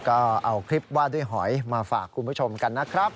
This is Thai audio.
ก็เอาคลิปว่าด้วยหอยมาฝากคุณผู้ชมกันนะครับ